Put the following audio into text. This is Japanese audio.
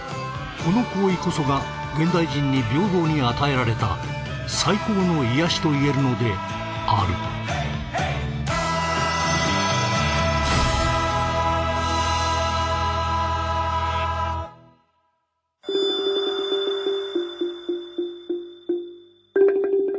この行為こそが現代人に平等に与えられた最高の癒やしといえるのであるうん。